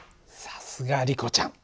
さすがリコちゃん。